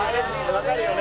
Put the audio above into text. わかるよね？